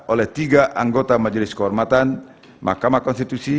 oleh tiga anggota majelis kehormatan mahkamah konstitusi